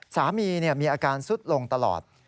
สามีมีอาการสุดลงตลอด